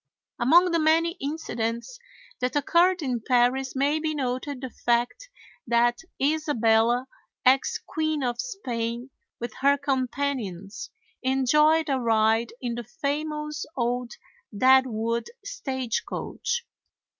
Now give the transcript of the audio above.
Among the many incidents that occurred in Paris may be noted the fact that Isabella, ex Queen of Spain, with her companions enjoyed a ride in the famous old Deadwood stagecoach.